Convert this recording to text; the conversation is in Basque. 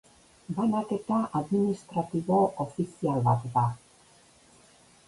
Banaketa administratibo ofizial bat da.